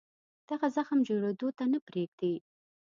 دغه زخم جوړېدو ته نه پرېږدي.